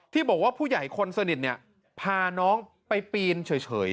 ที่บอกว่าผู้ใหญ่คนสนิทพาน้องไปปีนเฉย